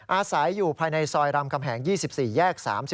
อาศัยอยู่ภายในซอยรำคำแหง๒๔แยก๓๔